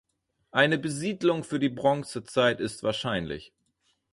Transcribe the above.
Eine Besiedelung für die Bronzezeit ist wahrscheinlich.